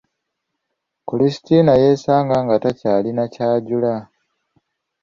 Kulisitiina yeesanga nga takyalina ky'ajjula.